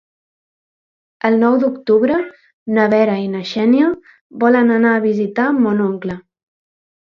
El nou d'octubre na Vera i na Xènia volen anar a visitar mon oncle.